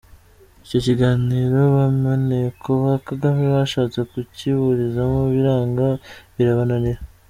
Icyo kiganiro ba maneko ba Kagame bashatse kukiburizamo, biranga birabananira.